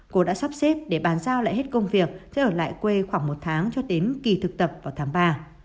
cô đã sắp xếp để bàn giao lại hết công việc sẽ ở lại quê khoảng một tháng cho đến kỳ thực tập vào tháng ba